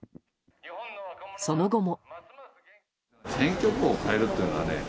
その後も。